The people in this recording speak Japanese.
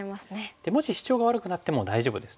もしシチョウが悪くなっても大丈夫です。